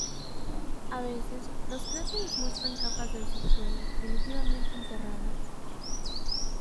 A veces los cráteres muestran capas del subsuelo primitivamente enterradas.